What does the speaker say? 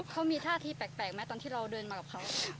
เขามีท่าที่แปลกไหมตอนที่เราเดินมากับเขา